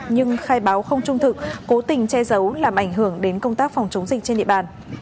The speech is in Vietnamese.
nhưng khai báo không trung thực cố tình che giấu làm ảnh hưởng đến công tác phòng chống dịch trên địa bàn